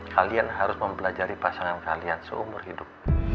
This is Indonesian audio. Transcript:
kalian harus mempelajari pasangan kalian seumur hidup